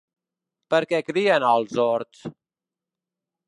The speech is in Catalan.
Per què crien als horts?